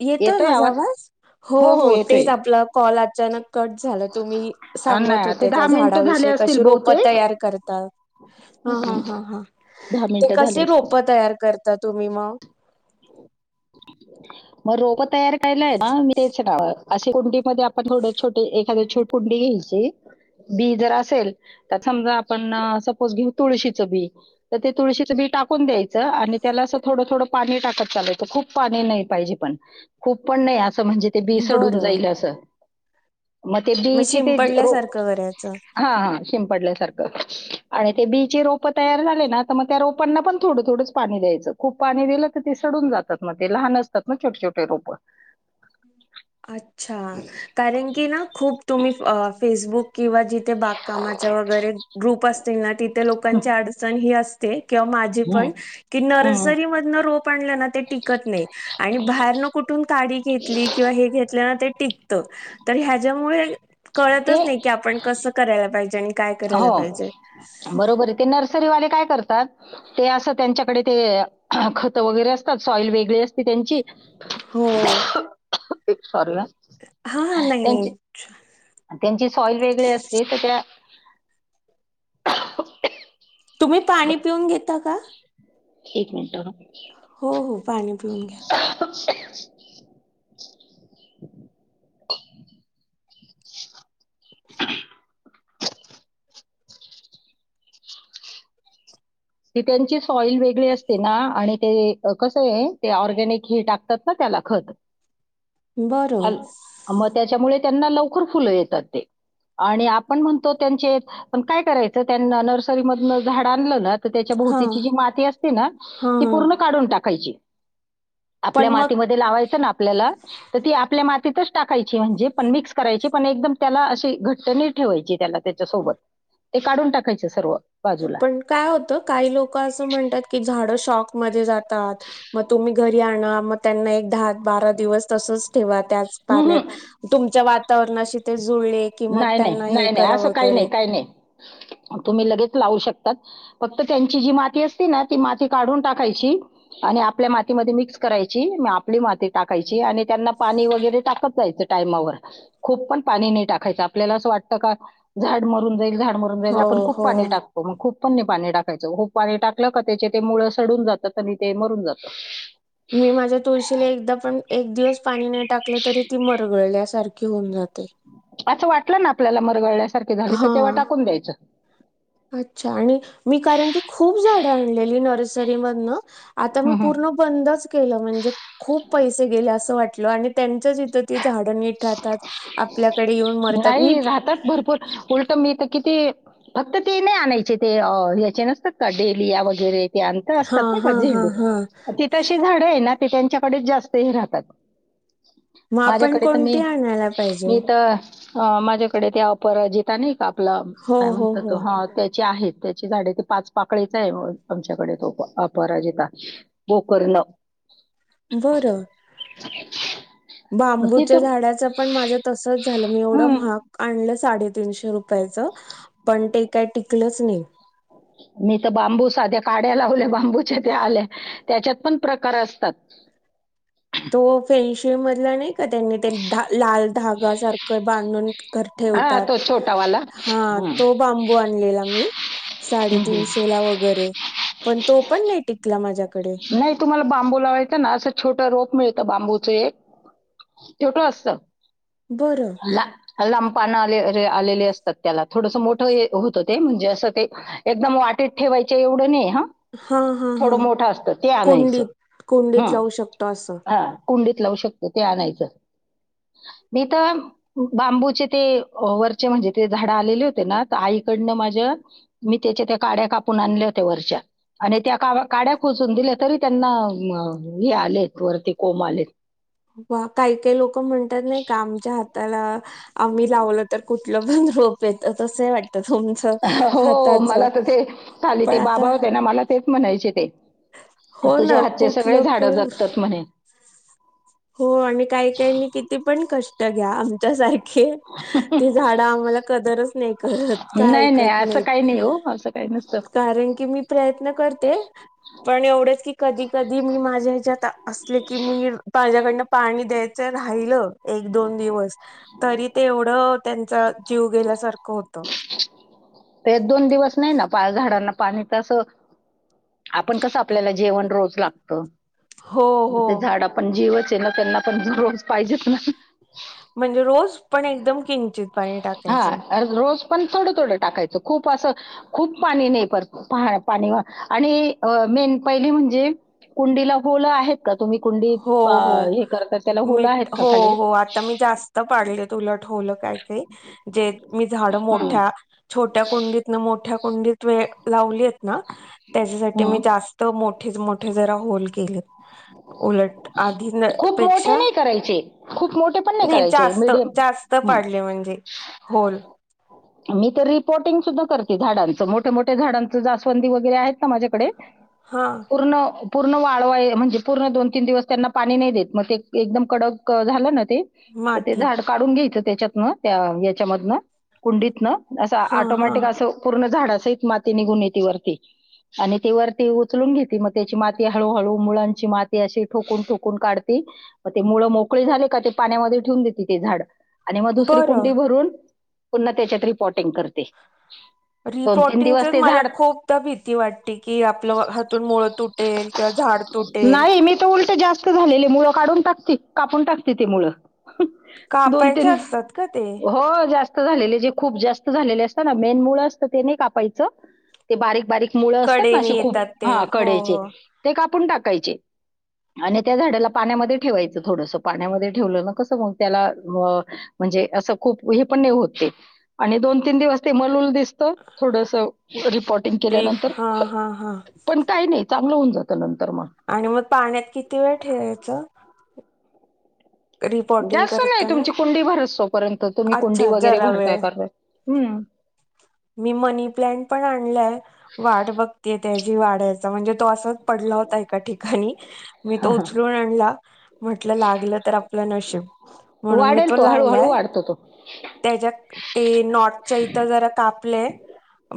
येतोय माझा आवाज. हो हो तेच आपला कॉल आ चानक कट झालं तुम्ही अ, सांगत नाही ते होते दहा त्या मिनिटं झाले झाडाविषयी असतील कशी रोप बहुतेक तयार करता हा हा हं, हा हा दहा ते मिनिटं झाले कशी असतील रोप तयार कर आता तुम्ही मग. [unintelligible] मग रोप तयार केलंय ना तेच ना असे कुंडीमध्ये आपण थोड छोट एखाद छोट कुंडी घ्यायची बी जर असेल तर समजा आपण सपोज घेऊ तुळशीचं बी तर ते तुळशीचं बी टाकून द्यायचं आणि त्याला असं थोडं थोडं पाणी टाकत चालायचं खूप पाणी नाही पाहिजे पण खूप पण नाही अ स म्हणजे ते बी सडून बरं. जाईल असं. मग ते बी ची ते रो शिंपडल्यासारखं करायचं. हा हा शिंपडल्यासारखं. आणि ते बी चे रोपं तयार झाले ना तर मग त्या रोपांना पण थोडं थोडंच पाणी द्यायचं खूप पाणी दिलं तर ती सडून जात तात मग ते लहान असतात ना छोटे छोटे रोप. अच्छा कारण की ना खूप तुम्ही फेसबुक किंवा जि त बागकामाच्या वगैरे ग्रुप असतील ना तिथे हं, लोकांची अडचणी ही अस ते. किंवा माझी पण हं, की हं. नर्सरी मधन रो प ना ते टिकत नाही. आणि बाहेरनं कुठून काडी घेतली. घेतल्याने ते टिकतं तर ह्याच्यामुळे ते कळतच नाही की आपण कसं करायला पाहिजे आणि काय करायला हो पाहिजे बरोबर, ते नर्सरीवाले काय करत तर ते असं त्यांच्याकडे ते खत वगैरे असतात, सॉईल वेगळी असते त्यांची हो. सॉरी हं. हा हा नाही त्यांचीं, नाही त्यांची सॉईल वेगळी असते तर त्या [inaudible] तुम्ही पाणी पिऊन घेता का? एक मिटं हं हो हो, पाणी पिऊन घ्या. [unintelligible] [inaudible] ती त्यांची सॉईल वेगळी असते ना, आणि ते कसेय ते ऑरगॅनिक ही टाकतात ना त्याला खत बरं हल मग त्याच्यामुळे त्यांना लवकर फुलं येतात ते, आणि आपण म्हणतो त्यांचे काय करायच, त्यांना नर्सरी मधनं झाड आणलं ना तर त्याच्या हा भोवतीची जी माती असते ना हा ती हा पूर्ण काढून टाकायची. आपल्या पण मग मातीमध्ये लावायचं ना आपल्याला तर ती आपल्या माती तिथंच टाकायची म्हणजे पण मिक्स करायची पण एकदम त्याला अशी घट्ट नई ठेवायची त्याला त्याच्या सोबत, ते काढून टाकायच सर्व बाजूला पण काय होतं काही लोक असं म्हणतात की, झाडं शॉक मध्ये जातात मग तुम्ही घरी आणा, म त्यांना एक दहा बारा दिवस तसच ठेवत त्याच हम्म, पाण्यात, हम्म. तुमच्या वातावरणाशी ते जुळले की मग नाही नाही त्यांना हे नाही नाही करा असं काही नाही वगैरे काही नाही तुम्ही लगेच लावू शकतात फक्त त्यांची जी माती असते ना ती माती काढून टाकायची आणि आपल्या मातीमध्ये मिक्स करायची म आपली माती टाकायची आणि त्यांना पाणी वगैरे टाक जायचा टाइमावर, खूप पण पाणी नाही टाकायच, आपल्याला अस वाटत का झाड मरून जाईल, झाडं मरून जाईल, हो आपण खूप हो. पाणी टकतो मग खूप कमी पाणी टाकायचं, खूप पाणी टाकलं का त्याचे ते मुळ सडून जातात आणि ते मरून जात. मी माझ्या तुळशीला एकदा पण एक दिवस पाणी नाय टाकलं तरी ती मरगळल्यासार घेऊन जात. होते. असं वाटलं ना आपल्याला मरगळल्या ते झाले तर तेव्हा हा टाकून द्यायच. अच्छा आणि मी कारण की खूप झाडं आणलेली नर्सरीमधनं आता मी हम्म, हम्म. पूर्ण बंदच केलं म्हणजे खूप पैसे गेले अस वाट किलो आहेत. त्यांच्याच इथं ती झाडं नीट राहतात. आपल्याकडे येऊन मरतात मी कि ते फक्त ते नाही आणायचे. ते याचे नसतात का डेलीया वगैरे हा असतात नही का हा हा झेंडू हा ति तशी झाडं आहे ना ते त्यांच्याकडेच जास्त हे राहतात. मग आपण माझ्याकडे तर मी कोणती आणायला पाहिजे मी तर अ माझ्याकडे ते परजिता नाही का आपलं हो काय हो म्हणतात हो ह त्याचे आहेत. त्याची झाडे ते पाच पाकळीच आहे आमच्याकडे तो अपराजिता गोकरर्ण. बरं मग बांबूच्या तिथून झाडाच पण माझ तसच झालं. मी एवढं हम्म महाग आणलं साडेतीनशे रुपयाच पण ते काय टिकलच नाही. मी तर बांबू साध्या काड्या लावल्या बांबूच्या त्या आल्या त्याच्यात पण प्रकार असतात. तो फेनशे मधला नाही त्यांनी ते लाल धागा सारखं बांधून घ हा ठेवतात. तो छोटावाला हा हम्म. तो बांबू आणलेला मी हम्म. साडेतीनशेला वगैरे पण तो पण नाही टिकला माझ्याकडे. नाही तुम्हाला बांबूचे एक छोटं असत. बरं ला लंपानाले आलेले असतात त्याला थोडस मोठं होत ते म्हणजे असं ते एकदम वाटेत ठेवायच एवढं नहीये. हा हा थोड हा मोठं असत ते आणायच कोंडीत कोंडीत हम्म लावू शकतो असं हा कुंडीत लावू शकतो. ते आणयच. मी तर बांबूचे ते वरचे म्हणजे ते झाड आलेली होते ना आईकडनं माझ्या मी त्याच्या त्या काड्या कापून आणल्या होत्या. वरच्या आणि त्या का काड्या खोचून दिल्या तरी त्यांना हे आलेत वरती कोंब आलेत. वा काही काही लोक म्हणतात नाही का आमच्या हात त्याला आम्ही लावलं तर खुप लोबन रोप येत तसं आहे वाट हो मला तर ते खाली पण ते आता बाबा होते ना मला तेच म्हणायचे ते हो तुझ्या ना हातचे सगळे कुठलं झाड पण जगतात म्हणे. हो आणि काही काही नी किती पण कष्ट घ्या आमच्या सारखे त झाडं आम्हाला कदरच नाही करत काय नाही नाही ऐकत असं नाहीत काही नाही हो असं काही नसतं कारण की मी प्रयत्न कर ते पण एवढंच की कधी कधी मी माझ्या ह्याच्यात असले की मुईर माझ्याकडन पाणी द्यायचं राहिलं एक दोन दिवस तरी ते एवढं त्यांचा जीव गेल्यासारखं होतं. ते दोन दिवस नाही ना पा झाडांना पाणीत असं आपण कसं आपल्याला जेवण रोज लागत. हो हो. मते झााडा पण जीवच तेना त्यांना पण दररोज पाहिजे ना. म्हणजे रोज पण एकदम किंचित पाणी टाकायचं. हा रोज पण थोडं थोडं टाकायचं. खूप असं खूप पाणी नाही पर पाणीवर आणि मेन पहिली म्हणजे कुंडीला होलं आहेत. का तुम्ही कुंडीत हो हो. हे करता त्याला होलं मीठ आहेत का खाली? तुलट होल पाडते जे मी झाड हं, मोठ्या छोट्या कुंडीतन मोठ्या कुंड्डीत वेळ लावलीयेत त्याच्यासाठी मी हं. जास्त मो मोठेच मोठे जरा होल केले. उलट आधी न खूप मोठे पेक्षा नाही करायचे खूप मोठे पण नाही करायचे जास्त मीडियम जास्त पाडले म्हणजे होल. मी तर रिपोर्टिंग सुद्धा करते झाडांचं मोठ्या मोठ्या झाडांच जास्वंदी वगैरे आहेत ना माझ्याकडे हा पूर्ण पूर्ण वाळवाय म्हणजे पूर्ण दोन तीन दिवस त्यांना पाणी नाही देत मग ते एकदम कडक झालं ना. तर ते माती झाड काढून घ्यायचं. त्याच्यातन त्या याच्यामधनं कुंडीत न असं हा हा ऑटोमॅटिक असं पूर्ण झाडा सहित माती निघून येती वरती आणि ती वरती उचलून घेते मग त्याची माती हळूहळू मुळांची माती अशी ठोकून ठोकून काढती मग ते मुळ मोकळी झाले का ते पाण्यामध्ये ठेऊून देते ते झाड आणि मग दुसरी कुंडी बरं भरून पुन्हा त्याच्यात रिपॉर्टिंग करते. दोन तीन दिवस रिपोटिंगचच ते मला झाड खूपदा भीती वाटते की आपलं हातून मुळं तुटेल किंवा झाड तुटेल. नाही मी तर उलट जास्त झालेली मुळ काढून टाकत कापून टाकते ते मुळ. दोन कापायचे तीन असतात का ते हो जास्त [unintelligible] झालेले जे खूप जास्त झालेले असतात न मेन मूळ असतात ते नाहीं कापायचं ते बारीक बारीक मुळ असतात ना कडेने असे खूप येतात ते हा हो कडेचे हो ते का टाकायचे आणि त्या झाडाला पाण्यामध्ये ठेवायच थोडस पाण्यामध्ये ठेवलं कस मग त्याला म्हणजे अस खूप हे पण आणि दोन तीन दिवस ते मलूल दिस थोडस [inaudible] स्पॉटिंग रीप केल्यानंतर हा हा हा पण काही नाही. चांगलं होऊन जातंं ना आणि मग पाळण्यात किती वेळ ठेवायचं? जास्त नाही तुमची कुंडीभर असो आच्छा जरा वेळ हम्म. मी मनी प्लांट पण आणलाय वाट बघतेय त्या जी वाढायचा म्हणजे तो आसं पडला होता एका ठिकाणी मी हा, तो हा. उचलून आणला म्हटलं लागलं तर आपलं नशीब म्हणून मी वाढेल तो हळूहळू लावलाय. तो वाढतो तो त्याच्या ते नॉटच्या इथं जरा कापलय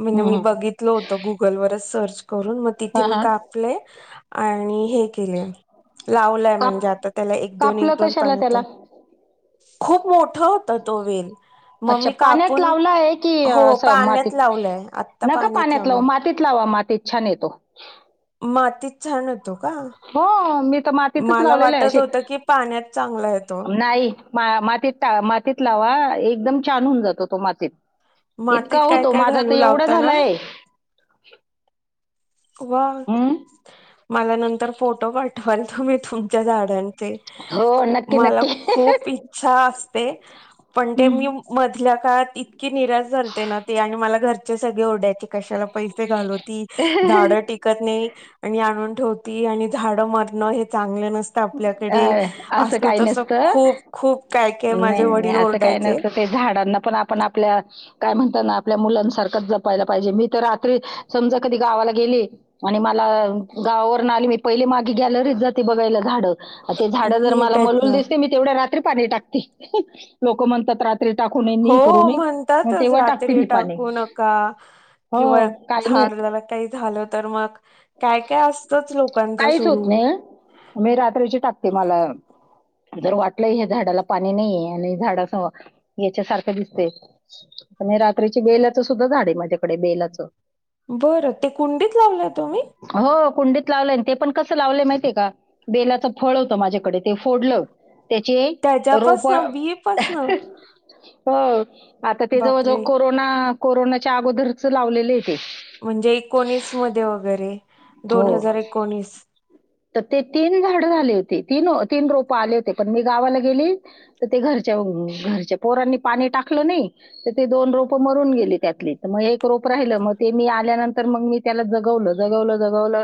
मीन मी हम्म. बघितल होत गुगलवरच सर्च करून म तिथे हा, मी हा. कापले आणि हे केले लावलंय काप म्हणजे आता त्याला एक दोन एक कापलं दोन कशाला पानं त्याला तर खूप मोठं अच्छा पाण्यात लावला आहे की हो आस पाण्यात मातीत लावलंय आत्ता नका पाण्यात लावू लावलंय मातीत लावा माती ते छान येतो मातीत छान होत तो का? हो मी तर मातीतच मला लावलेला आहे वाटत अशी होतं की पाण्यात चांगला येतो. नाही मा मातीत त लावा एकदम छान हून जातो तो मातीत मातीत इतका काय होतो काय माझा तर घालू एवढा लावताना झालाय [inaudible] वा हम्म. मला नंतर फोटो पाट पण तुम्ही तुमच्या झाडां चे हो नक्की मला नक्की खूप इच्छा असते पण ते मी मधल्या का ती की निराश झालते ना ते आणि मला घर चे सगळे ओरडायचे कशाला पैसे घालवती हम्म. झाडं टिकत नाही आणि आणून ठेवती आणि झाड मरणं हे चांग अ आसं काही तसं नसत खूप खूप काय काय नाही माझे नाही वडील आसं काही ओरडायचे नसत ते झाडांना पण आपण आपल्या काय म्हणताना आपल्या मुलांसारखंच जपायला पाहिजे मी तर रात्री समजा कधी गावाला गेले आणि मला गावावरन आली मी पहिली मागे गॅलरीच जाते बघायला झाड. ते झाड जर मला नीट आहेत मलूल ना दिसली. मी तेवढ्या रात्री पाणी टाकते. लोक म्हणतात. टाकू नये आणि हो हे करू नये. मग म्हणतातच तेव्हा टाकते रात्री मी पाणी. टाकू नका किंवा हो काही नाही. झाडाला काही झालं तर मग काय काय असतच लोकांच काहीच सुरू..... होत नाही. हं. मी रात्रीची टाकते मला.. जर वाटलंय हे झाडाला पाणी नाहीये आणि झाड अस याच्यासारखं दिसते आणि रात्रीची बेलाचं सुद्धा झाड आहे माझ्याकडे बेलाचं. बरं, ते कुंडीत लावलंय तुम्ही. हो कुंडीत लावलंय ते पण कसं लावलेय माहितीय का. बेलाचं फळ होतं माझ्याकडे ते फोडलं. त्याचे रोप. त्याच्यापासन बी पासन हा. आता ते जवळ-जवळ बापरे कोरोना. कोरोनाच्या अगोदरचं लावलेले आहे ते. म्हणजे एकोणीस मध्ये वगैरे. दोन हो हजार एकोणीस. तर ते तीन झाड झाली होती. तीन तीन रोप आले होते पण मी गावाला गेली तर, ते घरच्या घरच्या पोरांनी पाणी टाकलं नाही तर, ते दोन रोप मरून गेली त्यातली तर मग एक रोप राहिलं मग ते मी आल्यानंतर मग मी त्याला जगवलं. जगवलं जगवल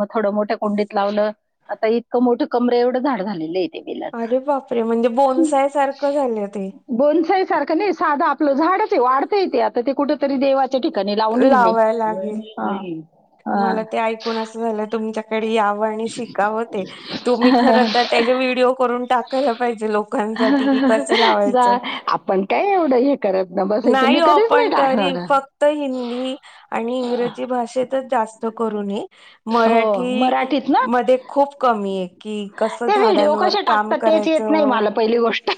मग थोड मोठ्या कुंडीत लावलं आता इतकं मोठ कमरे एवढं झाड झालेले आहे. ते बेलाचं. अरे, बापरे! म्हणजे [unintelligible] सारखं झालं ते. बोनसाई सारखं नाही साधं झाडच आहे वाढत येते आता ते कुठ तरी. [unintelligible] ठिकाणी लावून येईल लावाय लागेल मी. हा. मला ते ऐकून असं झालं तुमच्या. तिकडे यावे आणि शिकावं ते तुम्ही खरं तर त्याचे व्हिडिओ करून टाका. पहिले पाहिजे ते लोक जा आपण काय एवढं हे करत नाही बसायचय तर, मी हो कधीच नाही पण तरी टाकणार. फक्त हिंदी आणि इंग्रजी भाषेत. जास्त करून आहे हो मराठी मराठीत ना मध्ये खूप कमी आहे कि कसं ते व्हिडिओ झाडांवर कसे काम टाकतात तेच येत नाही करायचं मला पहिली गोष्ट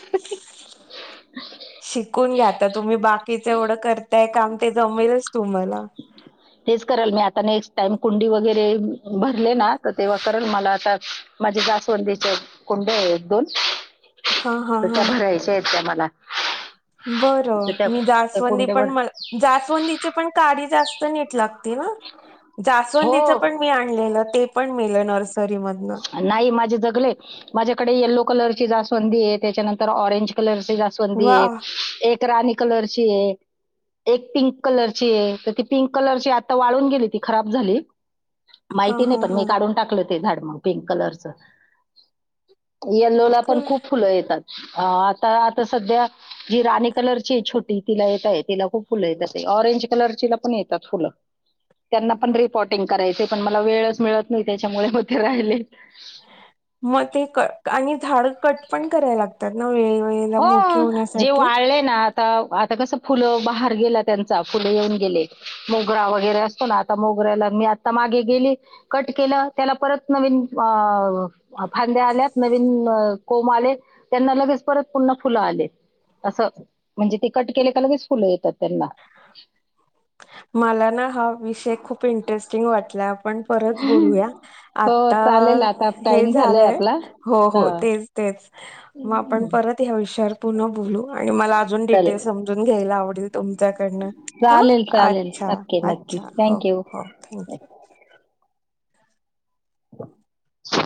शिकून घ्या, आता तुम्ही बाकीच एवढं करतायं काम ते जमेलचं तुम्हांला. तेच करेल मी आता नेक्स्ट टाईम कुंडी वगैरे. भरले ना तर तेव्हा कराल मला आता माझ्या जास्वंदीचे कुंड्या आहेत एक दोन. ह ह तर ह त्या भरायच्या आहेत त्या मला बर तर त्या मी त्या जास्वंदी पण कुंडेवर मग जास्वंदीचे पण काडी निट लागते ना? हो जास्वंदीचे पण.. मी आणलेल ते पण मिलं नर्सरी मधनं. नाही माझे जगलेत, माझ्याकडे येलो कलर. ची जास्वंदी आहे त्याच्यानंतर ऑरेंज कलर ची जास्वंदी वा आहे एक राणी कलरची ये एक पिंक कलरची ये तर ती पिंक कलरची आता वाळून गेली ती खराब झाली त्या हा माहिती नाही. हा पण हा मी काढून टाकलेत ते झाड मग पिंक कलरच. येल्लोला पण काय खूप फुलं येतात. अ आता आता सध्या जी राणी कलरची आहे छोटी तिला येत आहे तिला खूप फुलं येत ऑरेंज कलरचीला पण येतात फुलं त्यांना पण रिपॉटिंग करायचं पण मला वेळच मिळत नाही त्याच्यामुळे हो ते राहिलेत. मग ते कट आणि झाड कट पण करायला लागतात ना? वेळेवेळेला हो मोठे जे होण्यासाठी. वाळले ना आता आता कसं फुलं बहार गेला त्यांचा फुलं येऊन गेले मोगरा वगैरे असतो ना आता मोगऱ्याला मी आता मागे गेली कट केलं त्याला परत नवीन अ फांद्या आल्यात नवीन कोम आले त्यांना लगेच परत पुन्हा फुलं आले असं म्हणजे ते कट केले का लगेच फुलं येतात त्यांना. मला ना हा विषय खूप इंटरेस्टिंग वाटला आपण परत बोलूया हो आता चालेल आता हे टाइम झालाय झालंय आपला हो हा हो तेच तेच. मग आपण परत ह्या विषयावर पुन्हा बोलू आणि मला अजून डिटेल चालेल समजून घ्यायला आवडल तुम च्याकडन हां चालेल चालेल अच्छा नक्की नक्की अच्छा हो थँक्यू हो थँक यू [inaudible]